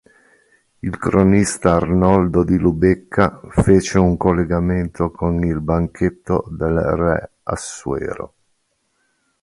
Il cronista Arnoldo di Lubecca fece un collegamento con il banchetto del re Assuero.